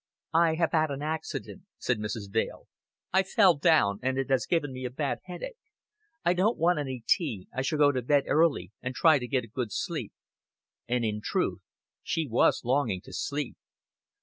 "I have had an accident," said Mrs. Dale. "I fell down and it has given me a bad headache. I don't want any tea. I shall go to bed early, and try to get a good sleep." And in truth, she was longing to sleep.